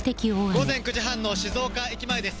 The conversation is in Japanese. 午前９時半の静岡駅前です。